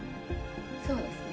そうですね。